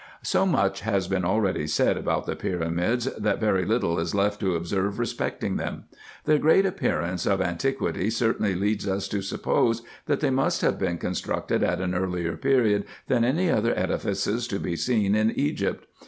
So much has been already said about the pyramids, that very little is left to observe respecting them. Their great appearance of an tiquity certainly leads us to suppose, that they must have been con structed at an earlier period than any other edifices to be seen in Egypt.